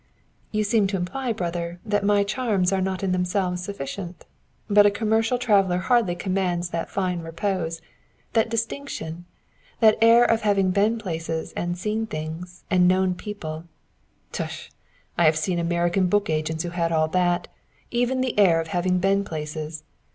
"You seem to imply, brother, that my charms are not in themselves sufficient. But a commercial traveler hardly commands that fine repose, that distinction that air of having been places and seen things and known people " "Tush! I have seen American book agents who had all that even the air of having been places!